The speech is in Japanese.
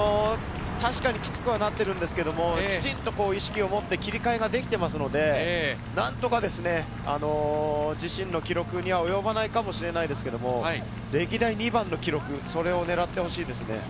確かにきつくはなっているんですけど、きちんと意識を持って、切り替えができているので、何とか自身の記録には及ばないかもしれないですけど、歴代２番の記録、それを狙ってほしいですね。